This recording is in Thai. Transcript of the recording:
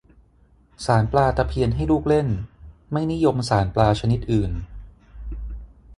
สานปลาตะเพียนให้ลูกเล่น ไม่นิยมสานปลาชนิดอื่น